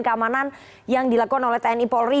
keamanan yang dilakukan oleh tni polri